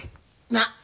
なっ？